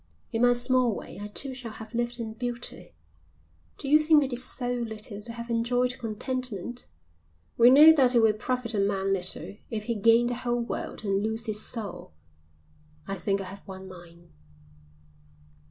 In my small way I too shall have lived in beauty. Do you think it is so little to have enjoyed contentment? We know that it will profit a man little if he gain the whole world and lose his soul. I think I have won mine."